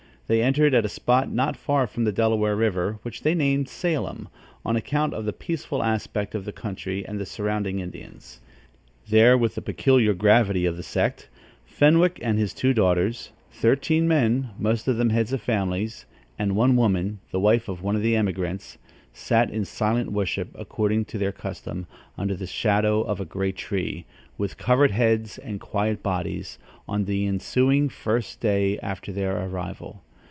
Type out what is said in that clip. They entered at a spot not far from the Delaware River, which they named Salem, on account of the peaceful aspect of the country and the surrounding Indians. There, with the peculiar gravity of the sect, Fenwick and his two daughters, thirteen men (most of them heads of families) and one woman, the wife of one of the emigrants, sat in silent worship, according to their custom, under the shadow of a great tree, with covered heads and quiet bodies, on the ensuing "First Day" after their arrival.